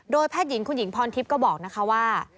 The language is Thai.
แพทย์หญิงคุณหญิงพรทิพย์ก็บอกนะคะว่า